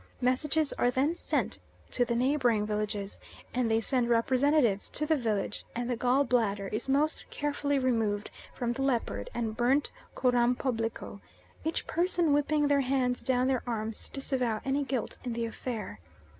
Messages are then sent to the neighbouring villages, and they send representatives to the village and the gall bladder is most carefully removed from the leopard and burnt coram publico, each person whipping their hands down their arms to disavow any guilt in the affair.